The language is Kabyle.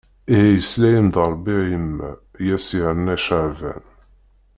Ihi yesla-am-d Rebbi a yemma. I as-yerna Caɛban.